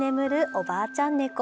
おばあちゃん猫。